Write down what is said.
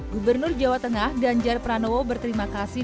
gubernur jawa tengah ganjar pranowo berterima kasih